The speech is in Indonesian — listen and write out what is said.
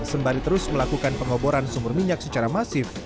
sembali terus melakukan pengoboran sumber minyak secara masif